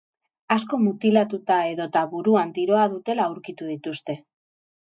Asko mutilatuta edota buruan tiroa dutela aurkitu dituzte.